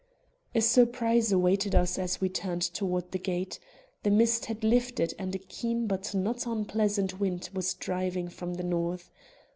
A surprise awaited us as we turned toward the gate. The mist had lifted and a keen but not unpleasant wind was driving from the north.